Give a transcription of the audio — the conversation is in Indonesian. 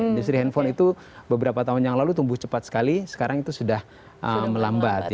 industri handphone itu beberapa tahun yang lalu tumbuh cepat sekali sekarang itu sudah melambat